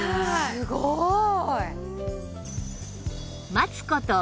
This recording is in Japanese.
すごーい！